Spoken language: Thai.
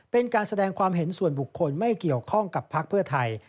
เป็นการแสดงความเห็นส่วนบุคคลไม่เกี่ยวข้องกับพักเพื่อไทย